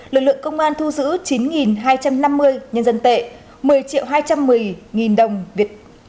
lực lượng công an thu giữ chín hai trăm năm mươi nhân dân tệ một mươi triệu hai trăm một mươi đồng việt